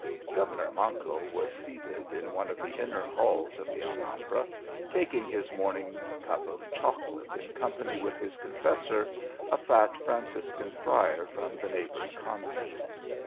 Governor Manco was seated in one of the inner halls of the Alhambra, taking his morning s cup of chocolate in company with his confessor, a fat Franciscan friar from the neighbouring convent.